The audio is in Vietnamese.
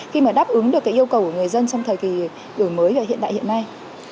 khi mà đáp ứng được cái yêu cầu của người dân trong thời kỳ đổi mới hiện đại hiện nay